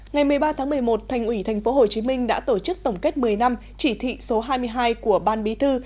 ngày một mươi ba tháng một mươi một thành ủy tp hcm đã tổ chức tổng kết một mươi năm chỉ thị số hai mươi hai của ban bí thư